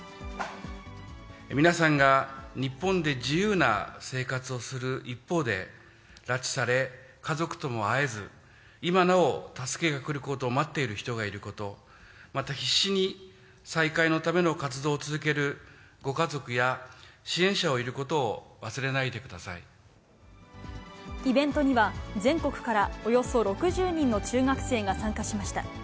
皆さんが日本で自由な生活をする一方で、拉致され、家族とも会えず、今なお助けが来ることを待っている人がいること、また必死に再会のための活動を続けるご家族や支援者がいることをイベントには、全国からおよそ６０人の中学生が参加しました。